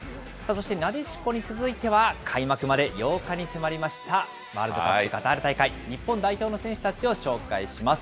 そしてなでしこに続いては開幕まで８日に迫りました、ワールドカップカタール大会、日本代表の選手たちを紹介します。